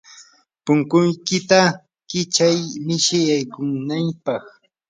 punkuykita kichay mishi yaykunapaq.